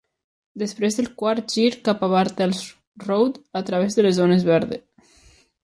Després del quart gir cap a Bartels Road, a través de les zones verdes.